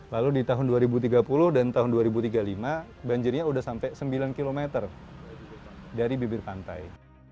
lalu di tahun dua ribu tiga puluh dan tahun dua ribu tiga puluh lima banjirnya sudah sampai sembilan km dari bibir pantai